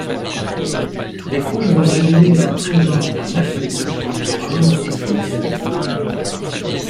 Des fouilles ont révélé la présence d'un aqueduc souterrain et d'une villa.